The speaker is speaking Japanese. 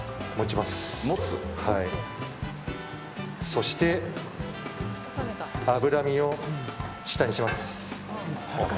そして、脂身を下にします。